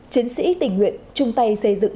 chiến sĩ tình nguyện chung tay xây dựng